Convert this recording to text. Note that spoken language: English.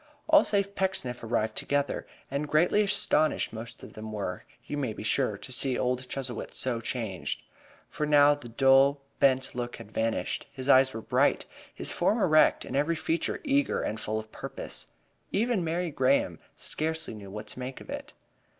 All save Pecksniff arrived together, and greatly astonished most of them were, you may be sure, to see old Chuzzlewit so changed. For now the dull, bent look had vanished. His eyes were bright, his form erect and every feature eager and full of purpose. Even Mary Graham scarcely knew what to make of it.